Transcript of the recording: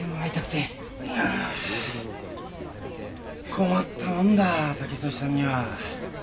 困ったもんだ剛利さんには。